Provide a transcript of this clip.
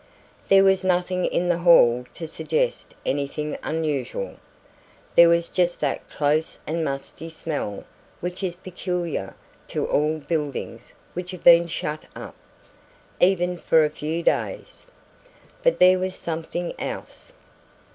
There was nothing in the hall to suggest anything unusual. There was just that close and musty smell which is peculiar to all buildings which have been shut up, even for a few days. But there was something else.